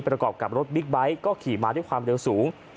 ประกอบกับรถบิ๊กไบท์ก็ขี่มาด้วยความเร็วสูง